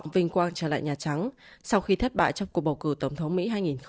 vinh quang trở lại nhà trắng sau khi thất bại trong cuộc bầu cử tổng thống mỹ hai nghìn hai mươi